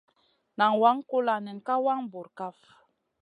Nan waŋ kulla nen ka wang bura kaf.